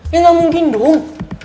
ya gak mungkin dong